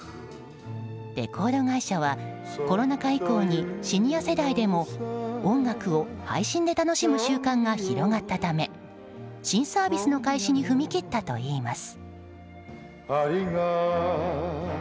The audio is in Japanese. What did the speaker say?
レコード会社は、コロナ禍以降にシニア世代でも音楽を配信で楽しむ習慣が広がったため新サービスの開始に踏み切ったといいます。